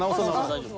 大丈夫？